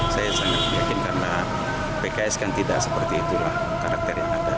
saya sangat yakin karena pks kan tidak seperti itulah karakter yang ada